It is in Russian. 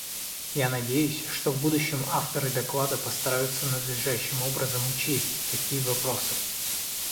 Я надеюсь, что в будущем авторы доклада постараются надлежащим образом учесть такие вопросы.